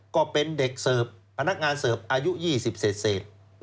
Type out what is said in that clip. ก็เป็นเด็กเสิร์ฟพนักงานเสิร์ฟอายุ๒๐เศษ